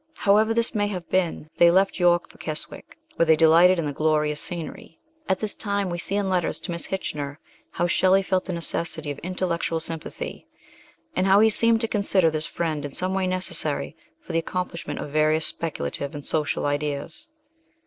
However this may have been, they left York for Keswick, where they delighted in the glorious scenery. At this time we see in letters to Miss Kitchener how Shelley felt the necessity of intellectual sympathy, and how he seemed to consider this friend in some way necessary for the accomplishment of various speculative and social ideas.